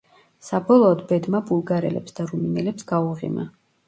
საბოლოოდ ბედმა ბულგარელებს და რუმინელებს გაუღიმა.